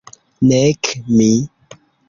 Nek mi.